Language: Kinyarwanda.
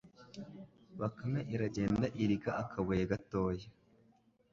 Bakame iragenda ihirika akabuye gatoya